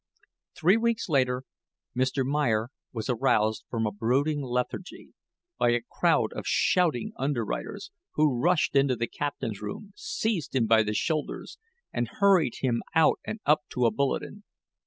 Three weeks later, Mr. Meyer was aroused from a brooding lethargy, by a crowd of shouting underwriters, who rushed into the Captain's room, seized him by the shoulders, and hurried him out and up to a bulletin.